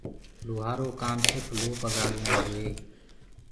لوهآرو ڪآم سرڦ لوه پگآݪوو هوندوئي